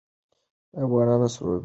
د افغانانو سرونه پر میدان ایښودل سوي.